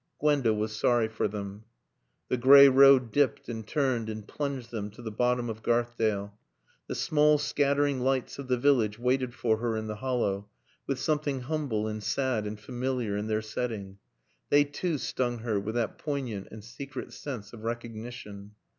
Gwenda was sorry for them. The gray road dipped and turned and plunged them to the bottom of Garthdale. The small, scattering lights of the village waited for her in the hollow, with something humble and sad and familiar in their setting. They too stung her with that poignant and secret sense of recognition.